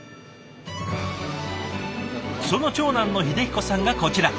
その長男の秀彦さんがこちら。